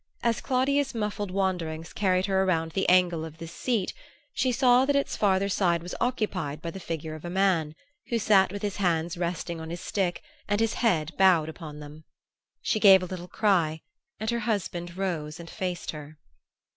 As Claudia's muffled wanderings carried her around the angle of this seat, she saw that its farther side was occupied by the figure of a man, who sat with his hands resting on his stick and his head bowed upon them. She gave a little cry and her husband rose and faced her.